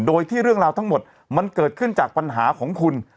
โดยที่เรื่องราวทั้งหมดมันเกิดขึ้นจากปัญหาของคุณ